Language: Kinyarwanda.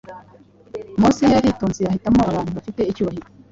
Mose yaritonze ahitamo abantu bafite icyubahiro